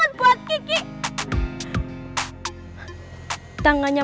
masih berasa gitu di kepala kiki